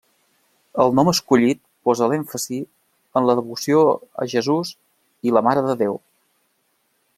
El nom escollit posa l'èmfasi en la devoció a Jesús i la Mare de Déu.